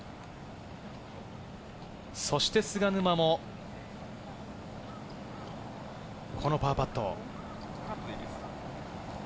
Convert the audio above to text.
そして菅沼もこのパーパット。